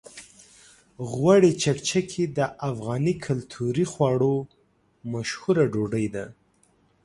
غوړي چکچکي د افغاني کلتوري خواړو مشهوره ډوډۍ ده.